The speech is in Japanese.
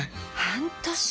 半年？